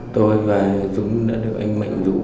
tôi và dũng đã được anh mạnh rủ